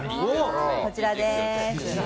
こちらでーす。